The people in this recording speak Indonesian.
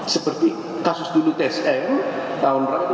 seperti kasus dulu tsm tahun berapa itu